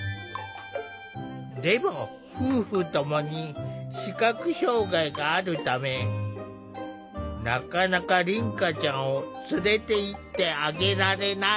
でも夫婦共に視覚障害があるためなかなか凛花ちゃんを連れていってあげられない。